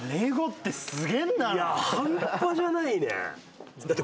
いや半端じゃないねだって